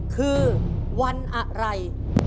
คือวันอะไร